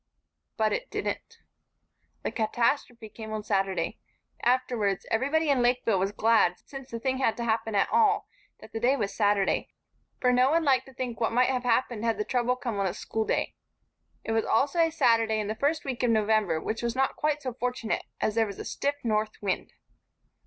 But it didn't. The catastrophe came on Saturday. Afterwards, everybody in Lakeville was glad, since the thing had to happen at all, that the day was Saturday, for no one liked to think what might have happened had the trouble come on a schoolday. It was also a Saturday in the first week of November, which was not quite so fortunate, as there was a stiff north wind.